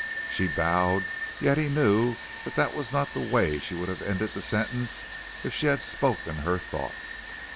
She bowed; yet he knew that was not the way she would have ended the sentence if she had spoken her thought.